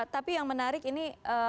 tapi yang menarik ini